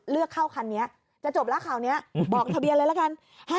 เลือกเข้าคันนี้จะจบแล้วคราวนี้บอกทะเบียนเลยละกัน